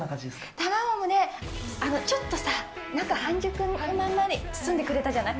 卵もね、ちょっとさ、中半熟のままで包んでくれたじゃない？